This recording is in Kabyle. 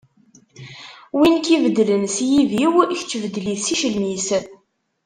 Win i ak-ibeddlen s yibiw, kečč beddel-it s yiclem-is.